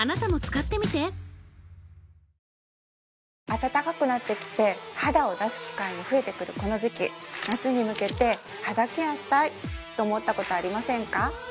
暖かくなってきて肌を出す機会も増えてくるこの時期夏に向けて肌ケアしたいと思ったことありませんか？